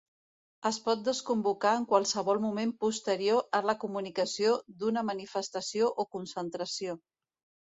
Es pot desconvocar en qualsevol moment posterior a la comunicació d'una manifestació o concentració.